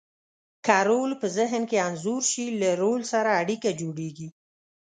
که رول په ذهن کې انځور شي، له رول سره اړیکه جوړیږي.